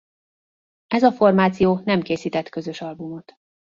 Ez a formáció nem készített közös albumot.